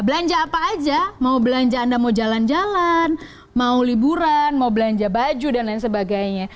belanja apa aja mau belanja anda mau jalan jalan mau liburan mau belanja baju dan lain sebagainya